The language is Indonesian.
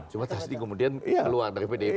cuma tasdi kemudian keluar dari pdv